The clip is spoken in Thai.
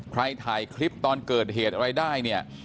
ใครถ่ายคลิปตอนเกิดเหตุอะไรได้เนี่ย